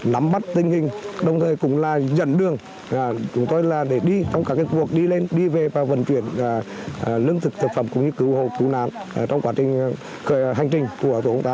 nắm bắt tình hình đồng thời cũng là dẫn đường chúng tôi là để đi trong các cuộc đi lên đi về và vận chuyển lương thực thực phẩm cũng như cửu hồ cửu nán trong quá trình hành trình của chúng ta